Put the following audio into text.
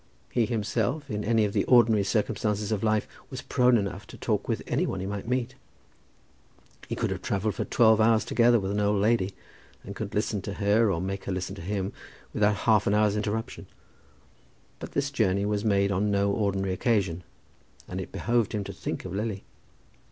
He himself, in any of the ordinary circumstances of life, was prone enough to talk with any one he might meet. He could have travelled for twelve hours together with an old lady, and could listen to her or make her listen to him without half an hour's interruption. But this journey was made on no ordinary occasion, and it behoved him to think of Lily.